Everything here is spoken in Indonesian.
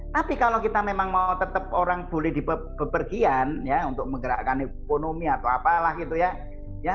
tapi kalau kita memang mau tetap orang boleh di bepergian ya untuk menggerakkan ekonomi atau apalah gitu ya